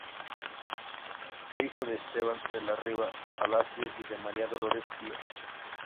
Fue hijo de Esteban de la Riva Palacio y de María Dolores Díaz.